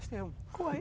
怖い。